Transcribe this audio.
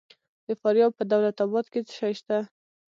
د فاریاب په دولت اباد کې څه شی شته؟